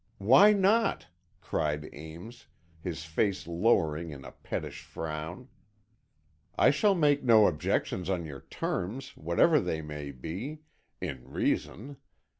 "Why not?" cried Ames, his face lowering in a pettish frown. "I shall make no objection to your terms, whatever they may be—in reason.